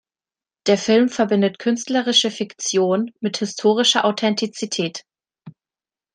Der Film verbindet künstlerische Fiktion mit historischer Authentizität.